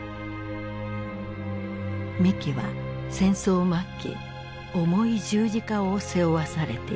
三木は戦争末期重い十字架を背負わされている。